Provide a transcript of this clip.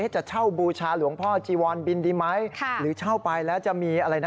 จะเช่าบูชาหลวงพ่อจีวรบินดีไหมหรือเช่าไปแล้วจะมีอะไรนะ